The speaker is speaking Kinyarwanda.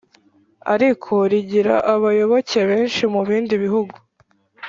ariko rigira abayoboke benshi mu bindi bihugu